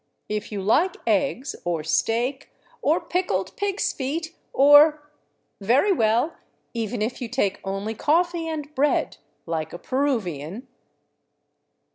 If you like eggs, or steak, or pickled pigs' feet, or ... Very well, even if you take only coffee and bread, like a Peruvian.